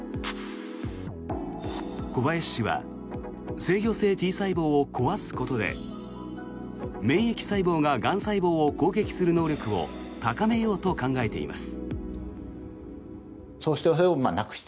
小林氏は制御性Ｔ細胞を壊すことで免疫細胞ががん細胞を攻撃する能力を高めようと考えています。